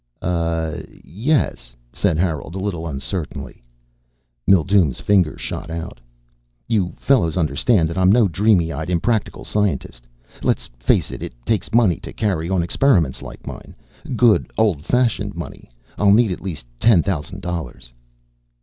"Uh yes," said Harold a little uncertainly. Mildume's finger shot out. "You fellows understand that I'm no dreamy eyed impractical scientist. Let's face it it takes money to carry on experiments like mine. Good old fashioned money. I'll need at least ten thousand dollars."